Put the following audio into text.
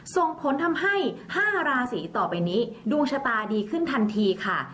ส่งผลทำให้๕ราศีต่อไปนี้ดวงชะตาดีขึ้นทันทีค่ะ